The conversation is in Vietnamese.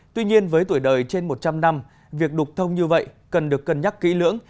tuy nhiên với tuổi đời trên một trăm linh năm việc đục thông như vậy cần được cân nhắc kỹ lưỡng